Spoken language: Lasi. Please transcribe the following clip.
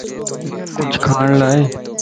ڪچھه کاڻ لا ائي؟